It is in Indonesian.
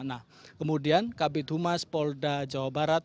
nah kemudian kabit humas polda jawa barat